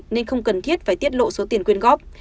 nên không cần thiết phải tiết lộ số tiền quyên góp